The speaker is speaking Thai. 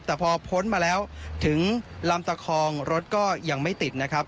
แต่พอพ้นมาแล้วถึงลำตะคองรถก็ยังไม่ติดนะครับ